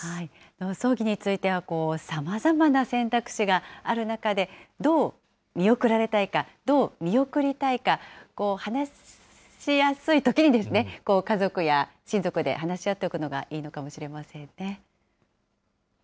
葬儀についてはさまざまな選択肢がある中で、どう見送られたいか、どう見送りたいか、話しやすいときに、家族や親族で話し合っておくのがいいかもしれませんね。